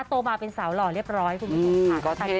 โตมาเป็นสาวหล่อเรียบร้อยคุณผู้ชมค่ะ